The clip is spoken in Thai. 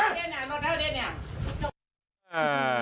อ้าวมีอีกลูกมีอีกลูก